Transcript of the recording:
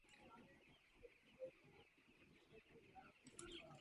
რამდენიმე ჯგუფს ამ სტილში ჩაწერილი აქვს სიმღერები, რომელთა ხანგრძლივობა სულ რამდენიმე წამია.